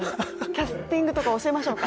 キャスティングとか教えましょうか？